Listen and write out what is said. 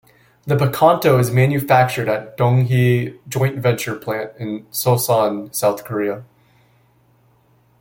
The Picanto is manufactured at the Donghee joint-venture plant in Seosan, South Korea.